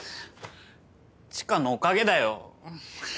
知花のおかげだよ。